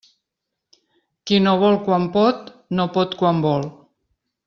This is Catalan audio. Qui no vol quan pot, no pot quan vol.